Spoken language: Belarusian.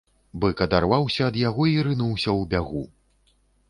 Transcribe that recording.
Бык адарваўся ад яго і рынуўся ў бягу.